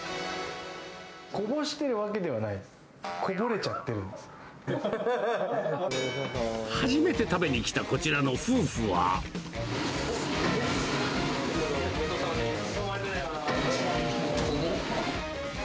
こぼしてるわけではない、初めて食べに来たこちらの夫おっ、おもっ、おもっ。